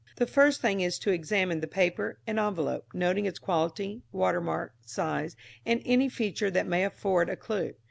The first thing is to examine the paper and envelope, noting its quality, watermark, size, and any feature that may afford a clue.